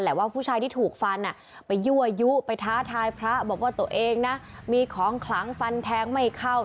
ว่าผู้ชายที่ถูกฟันไปยั่วยุไปท้าทายพระบอกว่าตัวเองนะมีของขลังฟันแทงไม่เข้า